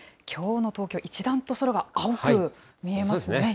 きょうの東京、いちだんと空が青く見えますね。